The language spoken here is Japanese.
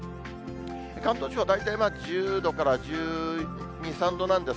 関東地方は大体１０度から１２、３度なんです。